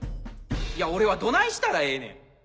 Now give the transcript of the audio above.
いや俺はどないしたらええねん！